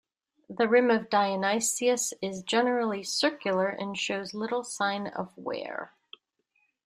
The rim of Dionysius is generally circular and shows little sign of wear.